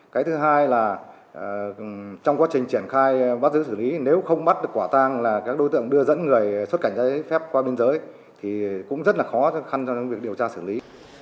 cái thứ hai là trong quá trình triển khai bắt giữ xử lý nếu không bắt được quả tang là các đối tượng đưa dẫn người xuất cảnh giấy phép qua biên giới thì cũng rất là khó khăn trong việc điều tra xử lý